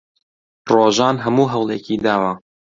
ڕۆژان هەموو هەوڵێکی داوە.